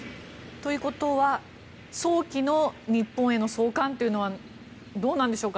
ということは早期の日本への送還というのはどうなんでしょうか。